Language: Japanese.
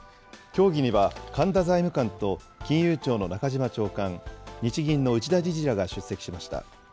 協議には神田財務官と金融庁の中島長官、日銀の内田理事らが出席しました。